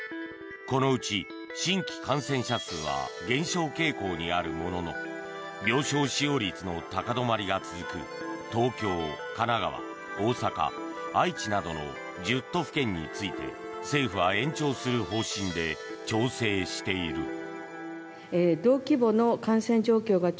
このうち新規感染者数は減少傾向にあるものの病床使用率の高止まりが続く東京、神奈川、大阪、愛知などの１０都府県について政府は延長する方針で調整している。